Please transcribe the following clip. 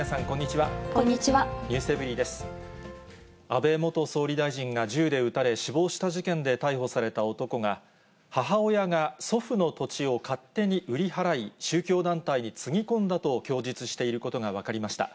安倍元総理大臣が銃で撃たれ、死亡した事件で逮捕された男が、母親が祖父の土地を勝手に売り払い、宗教団体につぎ込んだと供述していることが分かりました。